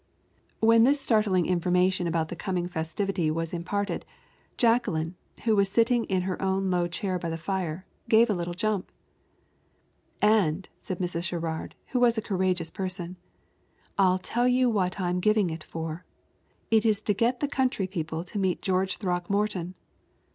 When this startling information about the coming festivity was imparted, Jacqueline, who was sitting in her own low chair by the fire, gave a little jump. "And," said Mrs. Sherrard, who was a courageous person, "I'll tell you what I am giving it for. It is to get the county people to meet George Throckmorton.